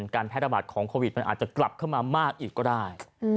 การแพร่ระบาดของโควิดมันอาจจะกลับเข้ามามากอีกก็ได้